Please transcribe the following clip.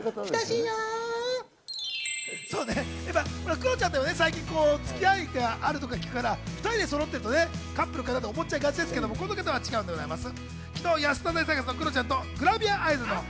クロちゃんといえば、最近、付き合いがあるという聞くから、２人でそろってるとカップルかな？と思っちゃいがちですけど、この方は違います。